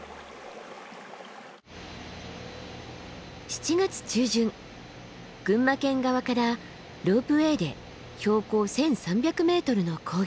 ７月中旬群馬県側からロープウエーで標高１，３００ｍの高原へ。